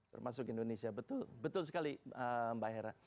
termasuk indonesia betul sekali mbak hera